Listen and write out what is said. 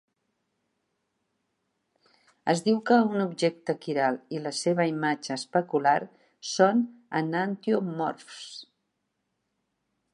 Es diu que un objecte quiral i la seva imatge especular són enantiomorfs.